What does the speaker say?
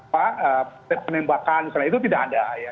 penembakan setelah itu tidak ada ya